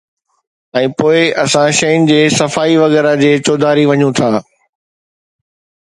۽ پوءِ اسان شين جي صفائي وغيره جي چوڌاري وڃون ٿا